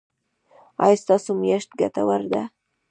ایا ستاسو میاشت ګټوره وه؟